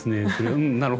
うんなるほど。